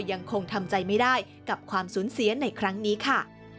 ยังคงทำใจไม่ได้กับความสูญเสียในครั้งนี้ค่ะ